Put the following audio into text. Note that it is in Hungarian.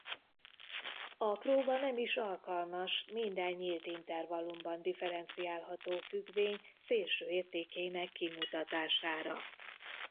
A próba nem is alkalmas minden nyílt intervallumban differenciálható függvény szélsőértékének kimutatására.